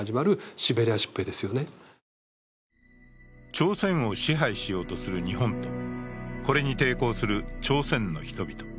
朝鮮を支配しようとする日本とこれに抵抗する朝鮮の人々。